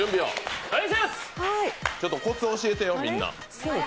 ちょっとコツ、教えてよ、みんな。